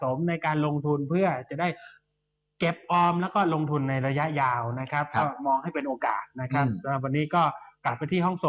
โอเคนะครับก็ตลาดลง